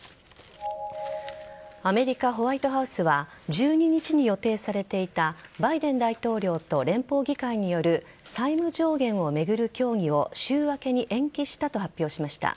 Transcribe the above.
アメリカ・ホワイトハウスは１２日に予定されていたバイデン大統領と連邦議会による債務上限を巡る協議を週明けに延期したと発表しました。